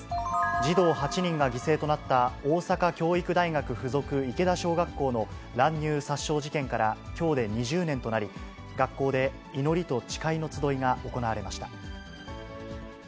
児童８人が犠牲となった大阪教育大学附属池田小学校の乱入殺傷事件からきょうで２０年となり、学校で祈りと誓いの集いが行われました。